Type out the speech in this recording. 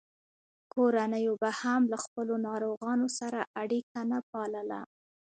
کورنیو به هم له خپلو ناروغانو سره اړیکه نه پاللـه.